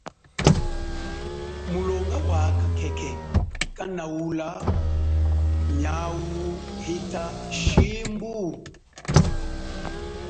Mulonga wakha khekhe kanaula miawu hita shimbu?